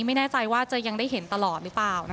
ไม่แน่ใจว่าจะยังได้เห็นตลอดหรือเปล่า